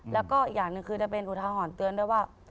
แล้วก็อีกอย่างหนึ่งคือจะเป็นอุทาหรณ์เตือนด้วยว่า